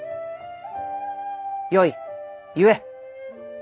よい言え。